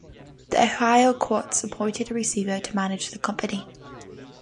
The Ohio courts appointed a receiver to manage the company.